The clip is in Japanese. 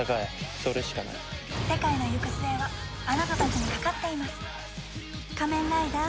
世界の行く末はあなたたちにかかっています仮面ライダー。